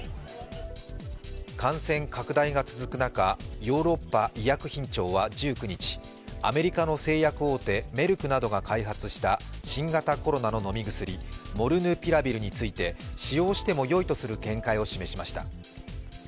感染拡大が続く中、ヨーロッパ医薬品庁は１９日、アメリカの製薬大手メルクなどが開発した新型コロナの飲み薬モルヌピラビルについて使用してもよいとする見解を示しました。